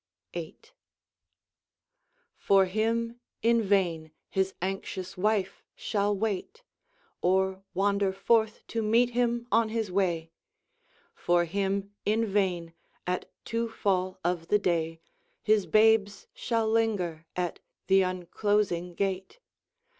VIII For him, in vain, his anxious wife shall wait, Or wander forth to meet him on his way; For him, in vain, at to fall of the day, His babes shall linger at th' unclosing gate.